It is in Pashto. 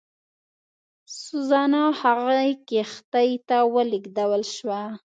سوزانا هغې کښتۍ ته ولېږدول شوه.